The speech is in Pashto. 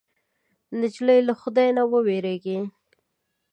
نجلۍ له خدای نه وېرېږي.